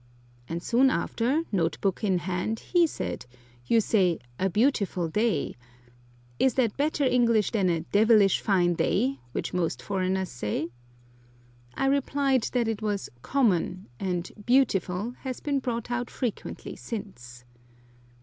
and soon after, note book in hand, he said, "You say 'a beautiful day.' Is that better English than 'a devilish fine day,' which most foreigners say?" I replied that it was "common," and "beautiful" has been brought out frequently since.